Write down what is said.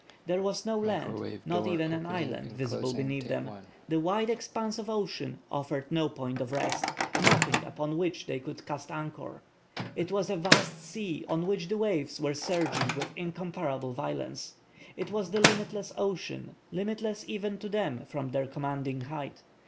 There was no land, not even an island, visible beneath them. The wide expanse of ocean offered no point of rest, nothing upon which they could cast anchor. It was a vast sea on which the waves were surging with incomparable violence. It was the limitless ocean, limitless even to them from their commanding height.